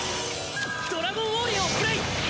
ドラゴンウォーリアをプレイ。